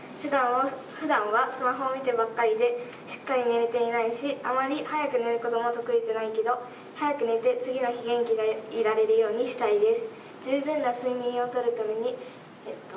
ふだんはスマホを見てばっかりでしっかり寝れていないし、あまり早く寝ることも得意じゃないけど次の日、元気でいられるようにしたいです。